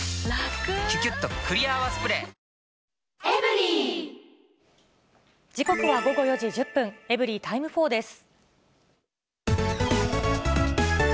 ニトリ時刻は午後４時１０分、エブリィタイム４です。